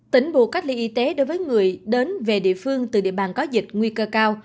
tỉnh buộc cách ly y tế đối với người đến về địa phương từ địa bàn có dịch nguy cơ cao